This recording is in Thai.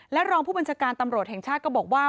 รองผู้บัญชาการตำรวจแห่งชาติก็บอกว่า